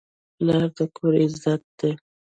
پلار د کور عزت دی.